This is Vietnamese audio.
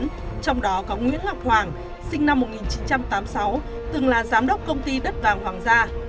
trong đó có nguyễn ngọc hoàng sinh năm một nghìn chín trăm tám mươi sáu từng là giám đốc công ty đất vàng hoàng gia